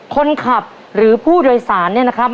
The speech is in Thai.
คนขับหรือผู้โดยสารเนี่ยนะครับ